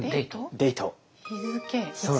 デート。